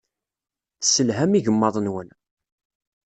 Tesselham igmaḍ-nwen.